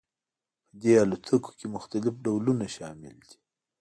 په دې الوتکو کې مختلف ډولونه شامل دي